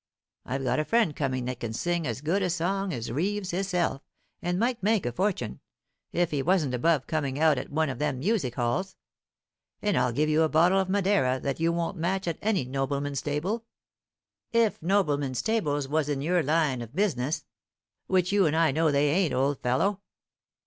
I've got a friend coming that can sing as good a song as Reeves hisself, and might make a fortune, if he wasn't above coming out at one of them music halls. And I'll give you a bottle of Madeira that you won't match at any nobleman's table, if noblemen's tables was in your line of business, which you and I know they ain't, old fellow."